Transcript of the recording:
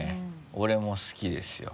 俺も好きですよ。